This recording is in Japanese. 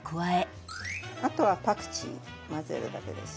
あとはパクチー混ぜるだけです。